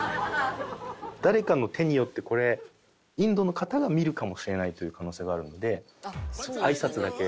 誰かの手によってこれインドの方が見るかもしれないという可能性があるのであいさつだけ。